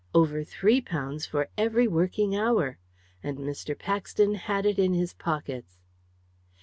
Over three pounds for every working hour. And Mr. Paxton had it in his pockets!